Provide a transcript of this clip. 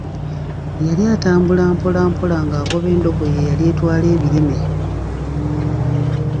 Yali atambula mpola mpola ng'agoba endogoyi eyali etwala ebirime.